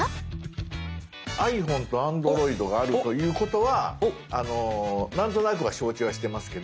ｉＰｈｏｎｅとＡｎｄｒｏｉｄがあるということはなんとなくは承知はしてますけど。